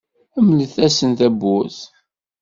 Mlet-asen tawwurt.